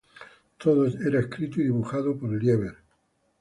Todo era escrito y dibujado por Lieber.